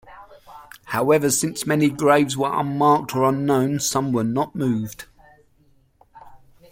However, since many graves were unmarked or unknown some were not moved.